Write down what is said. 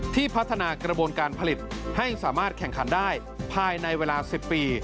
พัฒนากระบวนการผลิตให้สามารถแข่งขันได้ภายในเวลา๑๐ปี